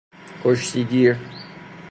کشتی گیر